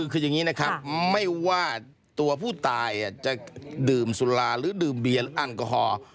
คืออย่างนี้นะครับไม่ว่าตัวผู้ตายจะดื่มสุราหรือดื่มเบียนแอลกอฮอล์